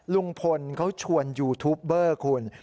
ลุงพลเขาชวนยูทูปเบอร์คุณ